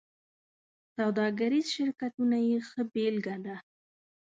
سوداګریز شرکتونه یې ښه بېلګه ده.